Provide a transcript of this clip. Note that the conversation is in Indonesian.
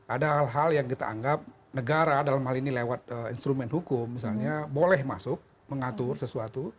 ada hal hal yang kita anggap negara dalam hal ini lewat instrumen hukum misalnya boleh masuk mengatur sesuatu